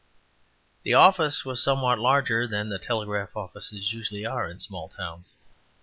The office was somewhat larger than the telegraph offices usually are in small towns.